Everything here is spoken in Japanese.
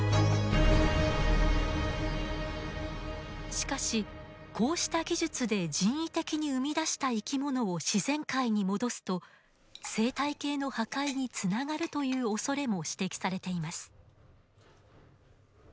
しかしこうした技術で人為的に生み出した生き物を自然界に戻すと生態系の破壊につながるというおそれも指摘されています。